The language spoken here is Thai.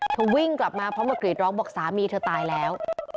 วิ่งกลับมาพร้อมมากรีดร้องบอกสามีเธอตายแล้ว